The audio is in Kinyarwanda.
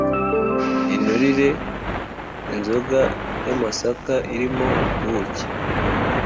inturire: inzoga y’amasaka irimo ubuki